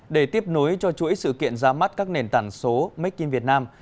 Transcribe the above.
để tiếp nối cho chuỗi sự kiện ra mắt các nền tảng số make in vietnam